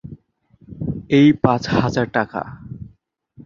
এই পাঁচ হাজার টাকা?